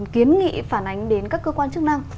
kiến nghị phản ánh đến các cơ quan chính trị